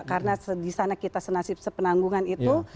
karena di sana kita senasib sepenanggungan itu